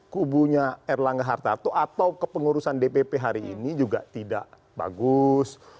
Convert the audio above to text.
kubunya erlangga hartarto atau kepengurusan dpp hari ini juga tidak bagus